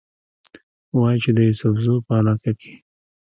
وايي چې د يوسفزو پۀ علاقه کښې